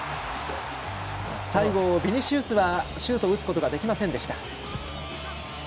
最後、ビニシウスはシュート打つことができませんでした。